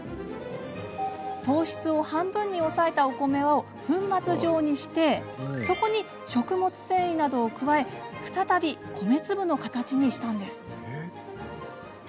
糖質を半分に抑えたお米を粉末状にしてそこに、食物繊維などを加え再び米粒の形にしました。